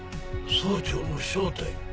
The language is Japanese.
総長の正体。